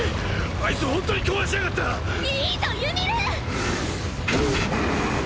あいつ本当に壊しやがった⁉いいぞユミル！！